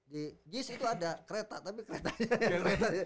di gis itu ada kereta tapi keretanya